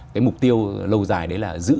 cái mục tiêu lâu dài đấy là giữ